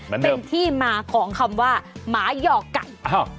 เป็นที่มาของคำว่าหมาหยอกไก่